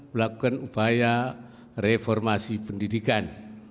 melakukan upaya reformasi pendidikan